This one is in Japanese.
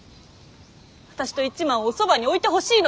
私と一幡をおそばに置いてほしいのです。